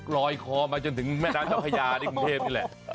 รอยคอมาจนถึงแม่ด้านเจ้าขยาในกรุงเทพฯนี่แหละ